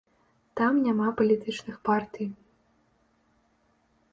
Там няма палітычных партый.